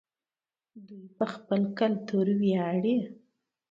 دوی په خپل کلتور ویاړي.